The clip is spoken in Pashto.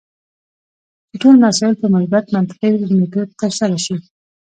چې ټول مسایل په مثبت منطقي میتود ترسره شي.